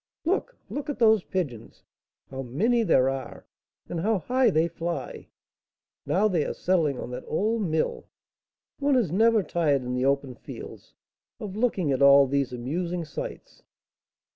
Look! look at those pigeons! how many there are! and how high they fly! Now they are settling on that old mill. One is never tired in the open fields of looking at all these amusing sights."